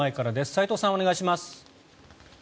齋藤さん、お願いします。